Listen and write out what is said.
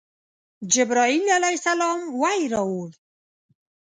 جبرائیل علیه السلام وحی راوړ.